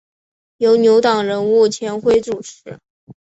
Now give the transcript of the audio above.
由牛党人物钱徽主持。